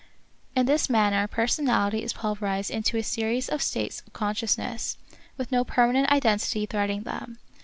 In this manner personality is pulverized into a series of states of consciousness, with no permanent identity threading them.